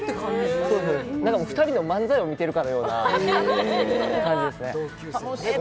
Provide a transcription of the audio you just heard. ２人の漫才を見てるような感じですね。